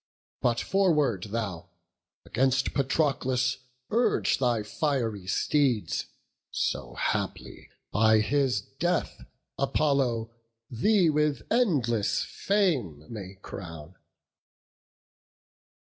But, forward thou! against Patroclus urge Thy fiery steeds, so haply by his death Apollo thee with endless fame may crown."